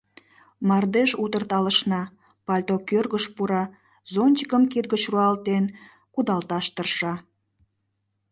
Мардеж утыр талышна, пальто кӧргыш пура, зонтикым кид гыч руалтен кудалташ тырша.